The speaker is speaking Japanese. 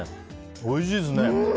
おいしいですね。